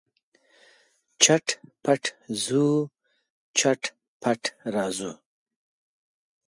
چټ پټ ځو، چټ پټ راځو.